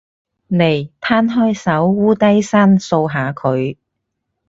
嚟，攤開手，摀低身，掃下佢